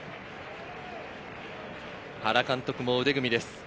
原監督も腕組みです。